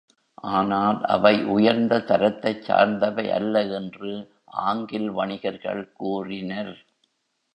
ஆனால், அவை உயர்ந்த தரத்தைச் சார்ந்தவையல்ல என்று ஆங்கில்வணிகர்கள் கூறினர்.